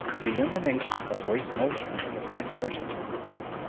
Elimination of waste motion was my speciality.